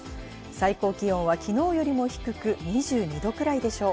最高気温は昨日よりも低く、２２度くらいでしょう。